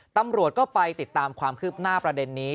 ตำรวจก็ไปติดตามความคืบหน้าประเด็นนี้